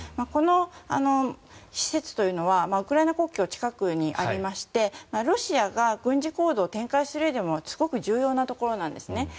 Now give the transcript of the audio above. この施設というのはウクライナ国境が近くにありましてロシアが軍事行動を展開するうえでもすごく重要なところなんです。